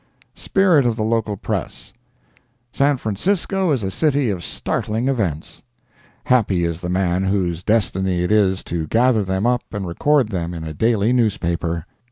SPIRIT OF THE LOCAL PRESS San Francisco is a city of startling events. Happy is the man whose destiny it is to gather them up and record them in a daily newspaper!